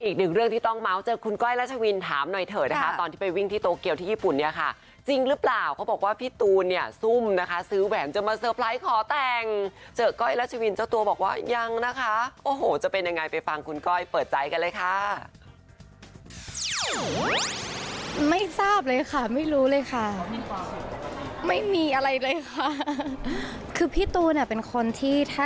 คนที่ถ้าเกิดว่าเขาจะเซอร์ไพรส์อ่ะ